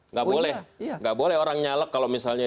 nggak boleh orang nyalek kalau misalnya